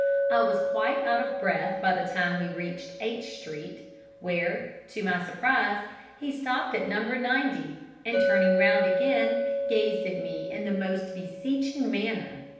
I was quite out of breath by the time we reached H Street, where, to my surprise, he stopped at No. 90 and, turning round again, gazed at me in the most beseeching manner.